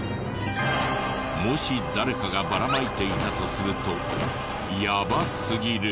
もし誰かがばらまいていたとするとやばすぎる。